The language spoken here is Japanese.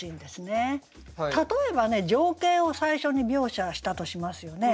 例えばね情景を最初に描写したとしますよね。